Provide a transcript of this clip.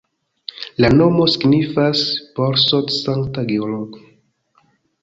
La nomo signifas Borsod-Sankta Georgo.